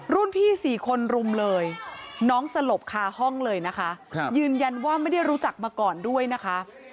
รุ่นพี่๔คนรุมเลยน้องสลบคาห้องเลยนะคะยืนยันว่าไม่ได้รู้จักมาก่อนด้วยนะคะ